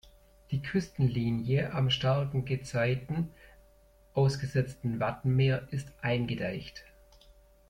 Die Küstenlinie am starken Gezeiten ausgesetzten Wattenmeer ist eingedeicht.